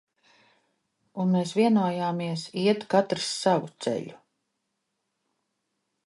Un mes vienojamies iet katrs savu celu!